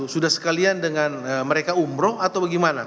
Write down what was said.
sudah sekalian dengan mereka umroh atau bagaimana